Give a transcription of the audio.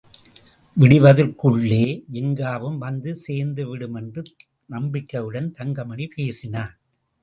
விடிவதற்குள்ளே ஜின்காவும் வந்து சேர்ந்துவிடும் என்று நம்பிக்கையுடன் தங்கமணி பேசினான்.